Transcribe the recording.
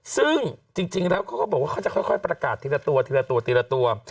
ซึ่งจริงแล้วเขาก็บอกว่าเขาจะค่อยประกาศทีละตัว